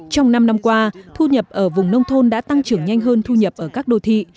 trong năm năm qua thu nhập ở vùng nông thôn đã tăng trưởng nhanh hơn thu nhập ở các đô thị